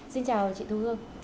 xin chào chị thu hương